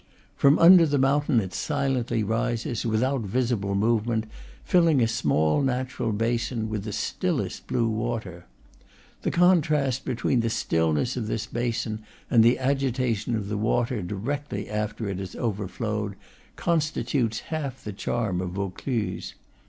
From under the mountain it silently rises, without visible movement, filling a small natural basin with the stillest blue water. The contrast between the stillness of this basin and the agitation of the water directly after it has overflowed, constitutes half the charm of Vaucluse.